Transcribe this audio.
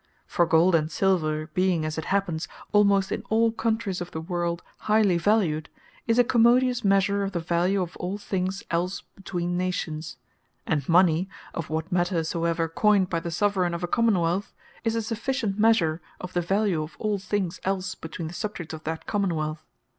For Gold and Silver, being (as it happens) almost in all Countries of the world highly valued, is a commodious measure for the value of all things else between Nations; and Mony (of what matter soever coyned by the Soveraign of a Common wealth,) is a sufficient measure of the value of all things else, between the Subjects of that Common wealth.